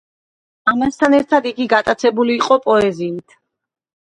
ამასთან ერთად იგი გატაცებული იყო პოეზიით.